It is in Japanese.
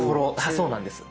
そうなんです。